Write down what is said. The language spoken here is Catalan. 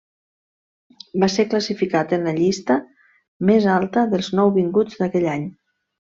Va ser classificat en la llista més alta dels nouvinguts d'aquell any.